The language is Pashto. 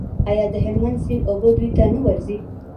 آیا د هلمند سیند اوبه دوی ته نه ورځي؟